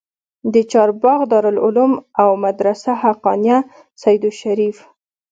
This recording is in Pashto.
د چارباغ دارالعلوم او مدرسه حقانيه سېدو شريف